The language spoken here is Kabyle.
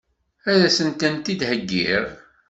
Ad sen-tent-id-heggiɣ?